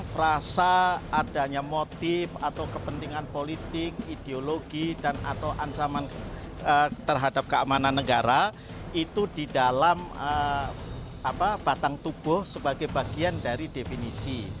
frasa adanya motif atau kepentingan politik ideologi dan atau ancaman terhadap keamanan negara itu di dalam batang tubuh sebagai bagian dari definisi